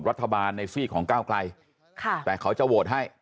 รัฐบาลในซีกของก้าวไกลแต่เขาจะโหวตให้